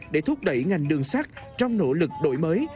để thúc đẩy ngành đường sắt trong nỗ lực đổi mới